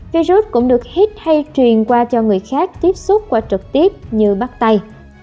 virus cũng được hít hay truyền qua cho người khác tiếp xúc qua trực tiếp như bắt tay